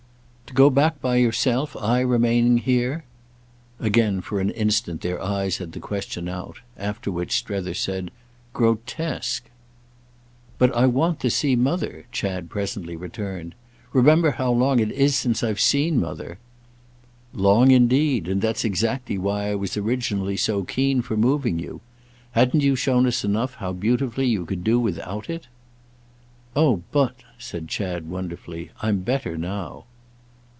"To go back by yourself, I remaining here?" Again for an instant their eyes had the question out; after which Strether said: "Grotesque!" "But I want to see Mother," Chad presently returned. "Remember how long it is since I've seen Mother." "Long indeed; and that's exactly why I was originally so keen for moving you. Hadn't you shown us enough how beautifully you could do without it?" "Oh but," said Chad wonderfully, "I'm better now."